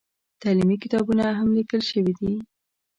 تعلیمي کتابونه هم لیکل شوي دي.